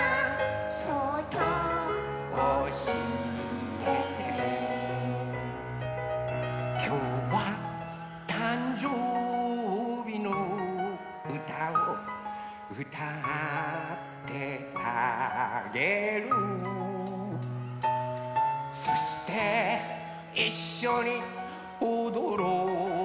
「そっとおしえて」「きょうはたんじょうびのうたをうたってあげる」「そしていっしょにおどろうよ」